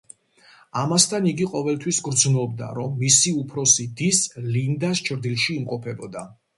ამასთან, იგი ყოველთვის გრძნობდა, რომ მისი უფროსი დის ლინდას ჩრდილში იმყოფებოდა.